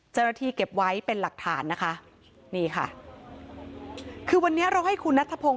เจ้าหน้าที่เก็บไว้เป็นหลักฐานคือวันนี้เราให้คุณนัทธพงศ์